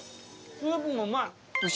スープもうまい。